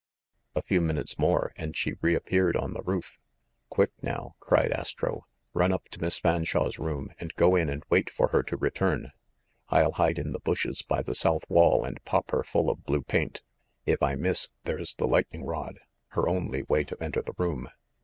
A few minutes more, and she reappeared on the roof. "Quick, now !" cried Astro. "Run up to Miss Fan shawe's room and go in and wait for her to return. I'll hide in the bushes by the south wall and pop her full of blue paint. If I miss, there's the lightning rod, her only way to enter the room."